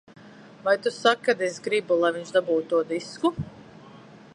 Vai tu saki, ka es gribu, lai viņš dabū to disku?